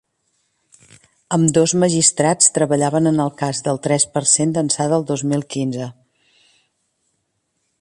Ambdós magistrats treballaven en el cas tres per cent d’ençà del dos mil quinze.